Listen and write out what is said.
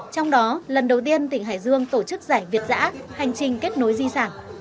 trong đó lần đầu tiên tỉnh hải dương tổ chức giải việt giã hành trình kết nối di sản